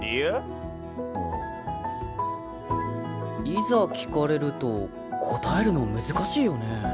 いざ聞かれると答えるの難しいよね。